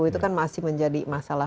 itu kan masih menjadi masalah